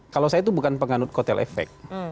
kalau saya itu bukan penganut kotel efek